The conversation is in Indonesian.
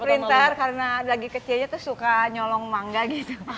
sprinter karena lagi kecil aja suka nyolong manga gitu